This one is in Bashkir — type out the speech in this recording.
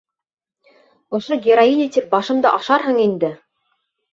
Ошо героиня тип башымды ашарһың инде!